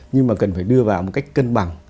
nhưng mà cần phải đưa vào một cách cân bằng